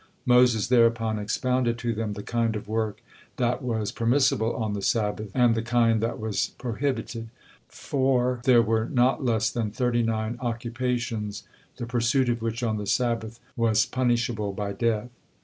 Moses thereupon expounded to them the kind of work that was permissible on the Sabbath, and the king that was prohibited, for there were not less then thirty nine occupations the pursuit of which on the Sabbath was punishable by death.